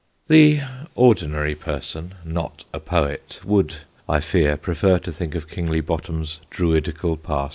The ordinary person, not a poet, would, I fear, prefer to think of Kingly Bottom's Druidical past.